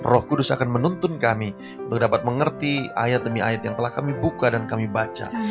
roh kudus akan menuntun kami untuk dapat mengerti ayat demi ayat yang telah kami buka dan kami baca